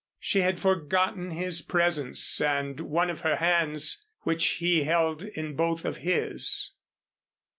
She had forgotten his presence, and one of her hands which he held in both of his.